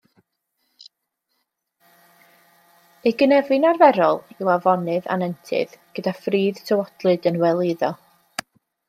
Ei gynefin arferol yw afonydd a nentydd, gyda phridd tywodlyd yn wely iddo.